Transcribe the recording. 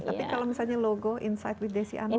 tapi kalau misalnya logo insight with desi anwar